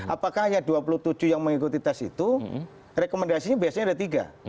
apakah hanya dua puluh tujuh yang mengikuti tes itu rekomendasinya biasanya ada tiga